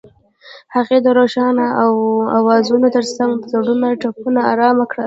هغې د روښانه اوازونو ترڅنګ د زړونو ټپونه آرام کړل.